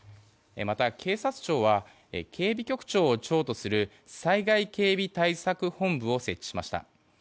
また、警察庁は警備局長を長とする災害警備対策本部を設置しました。